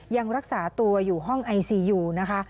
ยังรักษาตัวอยู่ห้องไอซียูนะคะ